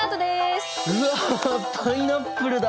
うわパイナップルだ！